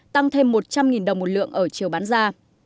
tăng thêm một trăm linh đồng một lượng ở chiều bán ra